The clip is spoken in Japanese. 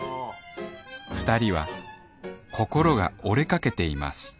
２人は心が折れかけています。